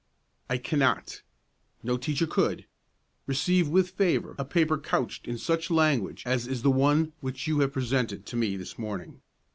"I cannot no teacher could receive with favor a paper couched in such language as is the one which you have presented to me this morning.